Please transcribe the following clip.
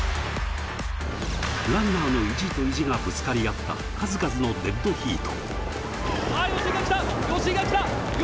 ランナーの意地と意地がぶつかり合った数々のデッドヒート。